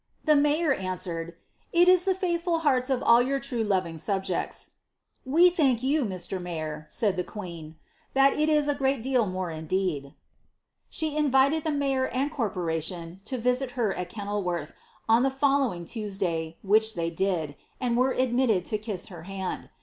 The mayor answered, ^^It is the faithful hearts of all your true loving subjects." " We thank you, Mr, Mayor," said the queen; ^^ that is a great deal more indeed."' She invited the mayor and corporation to visit her at Kenil worth, on the following Tuesday, which they did, and were admitted to kiss her hand.